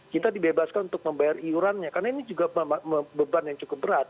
kita dibebaskan untuk membayar iurannya karena ini juga beban yang cukup berat